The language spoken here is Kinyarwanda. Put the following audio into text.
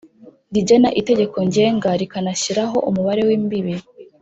Rigena itegeko Ngenga rikanashyiraho umubare w imbibi